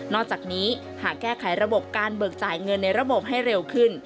อกจากนี้หากแก้ไขระบบการเบิกจ่ายเงินในระบบให้เร็วขึ้น